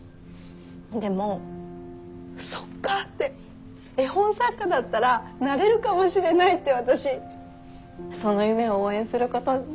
でもそっかって絵本作家だったらなれるかもしれないって私その夢を応援することにして。